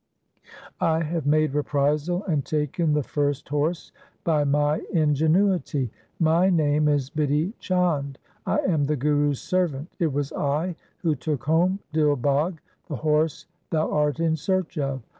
I have made reprisal and taken the first horse by my ingenuity. My name is Bidhi Chand ; I am the Guru's servant. It was I who took home Dil Bagh, the horse thou art in search of.